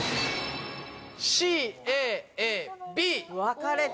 ＣＡＡＢわかれた！